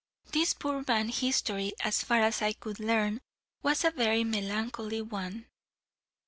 This poor man's history, as far as I could learn, was a very melancholy one.